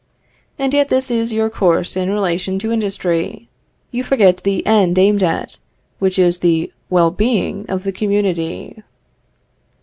And yet this is your course in relation to industry. You forget the end aimed at, which is the well being of the community.